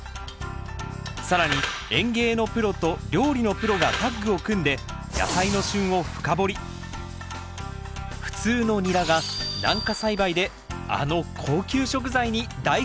更に園芸のプロと料理のプロがタッグを組んで普通のニラが軟化栽培であの高級食材に大変身！